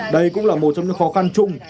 đây cũng là một trong những khó khăn chung